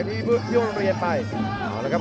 ทีมยงเรื่องน้องเรียน